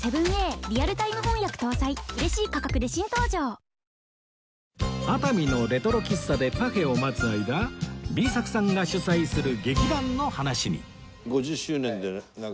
丕劭蓮キャンペーン中熱海のレトロ喫茶でパフェを待つ間 Ｂ 作さんが主宰する劇団の話に